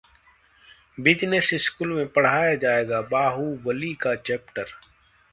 business school में पढ़ाया जाएगा बाहुबली का चैप्टर